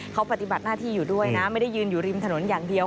เขาปฏิบัติหน้าที่อยู่ด้วยนะไม่ได้ยืนอยู่ริมถนนอย่างเดียว